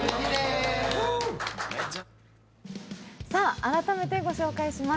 改めてご紹介します